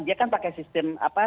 dia kan pakai sistem apa